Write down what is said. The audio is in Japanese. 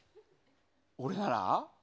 俺なら？